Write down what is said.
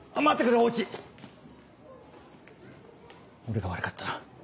俺が悪かった。